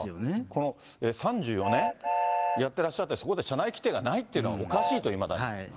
この３４年、やってらっしゃって、そこで社内規定がないっていうのはおかしいと、いまだに。